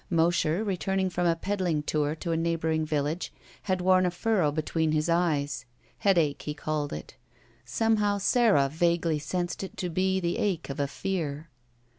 Mosher, returning from a peddling tour to a neighboring village, had worn a furrow between his eyes. Headache, he called it. Somehow Sara vaguely sensed it to be the ache of a fear.